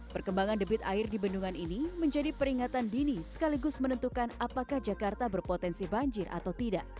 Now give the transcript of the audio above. perkembangan debit air di bendungan ini menjadi peringatan dini sekaligus menentukan apakah jakarta berpotensi banjir atau tidak